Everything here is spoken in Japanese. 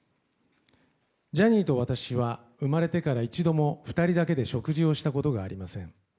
ジャニーと私は生まれてから一度も２人だけで食事をしたことがありません。